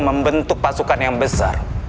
membentuk pasukan yang besar